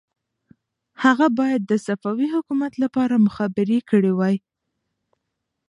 هغه باید د صفوي حکومت لپاره مخبري کړې وای.